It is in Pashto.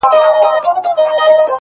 ستا په تعويذ كي به خپل زړه وويني-